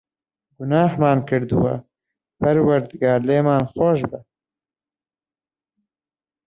گوناحمان کردووە، پەروەردگار، لێمان خۆشبە.